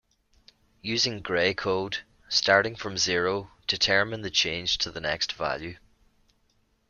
Using Gray code, starting from zero, determine the change to the next value.